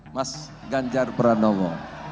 mas ganjar pranowo